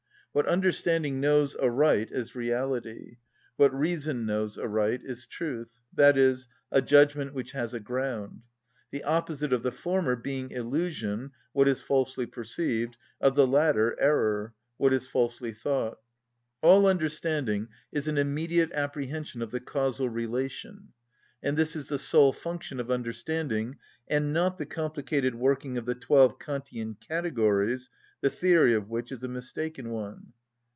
"What understanding knows aright is reality; what reason knows aright is truth, i.e., a judgment which has a ground; the opposite of the former being illusion (what is falsely perceived), of the latter error (what is falsely thought)." All understanding is an immediate apprehension of the causal relation, and this is the sole function of understanding, and not the complicated working of the twelve Kantian Categories, the theory of which is a mistaken one.